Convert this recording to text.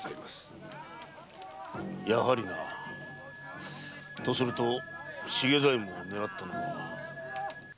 やはりな。とすると茂左衛門を狙ったのは。